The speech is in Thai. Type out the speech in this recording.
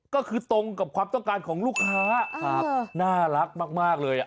ก็คือตรงกับความต้องการของลูกค้าน่ารักมากเลย